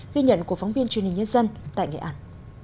ghi nhận của phóng viên truyền hình nhân dân tại nghệ an